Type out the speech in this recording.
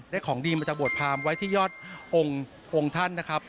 ของดีมาจากบวชพรามไว้ที่ยอดองค์ท่านนะครับ